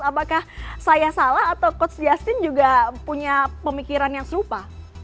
apakah saya salah atau coach justin juga punya pemikiran yang serupa